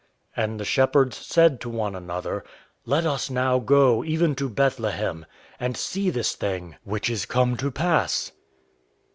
And the shepherds said one to another: "Let us now go, even to Bethlehem, and see this thing which is come to pass."